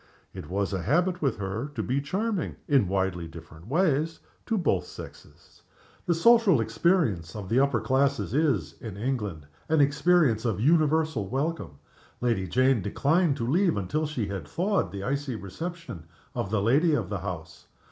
It was a habit with her to be charming (in widely different ways) to both sexes. The social experience of the upper classes is, in England, an experience of universal welcome. Lady Jane declined to leave until she had thawed the icy reception of the lady of the house.